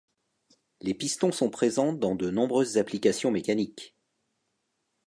Les pistons sont présents dans de nombreuses applications mécaniques.